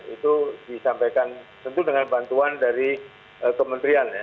itu disampaikan tentu dengan bantuan dari kementerian ya